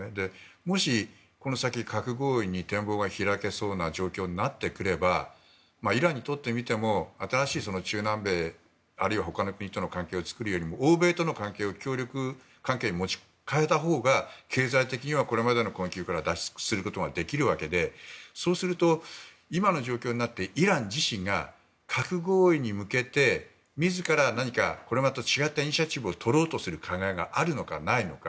もし、この先、核合意に展望が開けそうな状況になればイランにとってみても新しい中南米あるいは他の国との関係を作るよりも欧米との関係を協力関係に変えたほうが経済的にはこれまでの困窮から脱出することができるわけでそうすると、今の状況になってイラン自身が核合意に向けて、自ら何かこれまた違ったイニシアチブをとろうという考えがあるのかないのか。